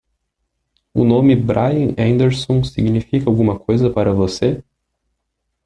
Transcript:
O nome Brian Anderson significa alguma coisa para você?